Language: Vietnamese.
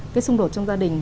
cái xung đột trong gia đình